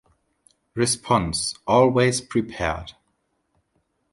Response - Always prepared!